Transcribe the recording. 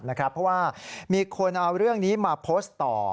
เพราะว่ามีคนเอาเรื่องนี้มาโพสต์ต่อ